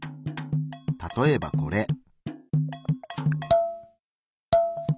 例えばこれ。